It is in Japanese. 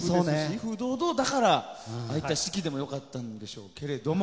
「威風堂々」だからああいった指揮でも良かったんでしょうけど。